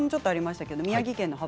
宮城県の方。